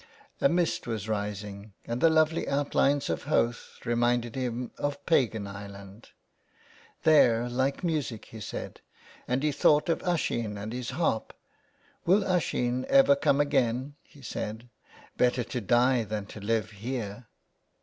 A mist was rising, and the lovely outlines of Howth reminded him of pagan Ireland ;" they're like music," he said, and he thought of Usheen and his harp. " Will Usheen ever come again ?" he said. " Better to die than to live here."